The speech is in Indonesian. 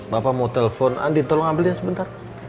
bapak mau telepon andi tolong ambil dia sebentar